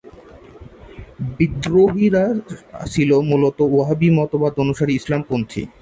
বিদ্রোহীরা ছিল মূলত ওয়াহাবি মতবাদ অনুসারী ইসলামপন্থী।